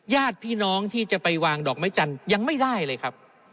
ญาติพี่น้องที่จะไปวางดอกไม้จันทร์ยังไม่ได้เลยครับ